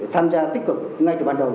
tham gia tích cực ngay từ ban đầu